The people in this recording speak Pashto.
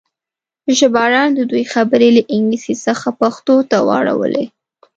ژباړن د دوی خبرې له انګلیسي څخه پښتو ته واړولې.